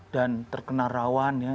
dan terkena rawan ya